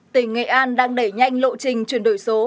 tỉnh nghệ an đang đẩy nhanh lộ trình chuyển đổi số